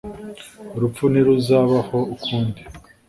urupfu ntiruzabaho ukundi